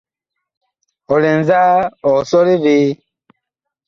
Ɔ lɛ nzaa, ɔg sɔle vee ?